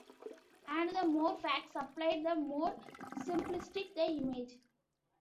And the more facts supplied, the more simplistic the image.